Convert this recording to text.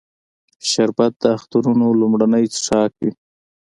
شربت د اخترونو لومړنی څښاک وي